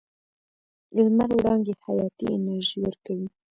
لمر وړانګې حیاتي انرژي ورکوي.